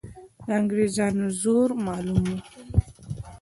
د انګریزانو زور معلوم وو.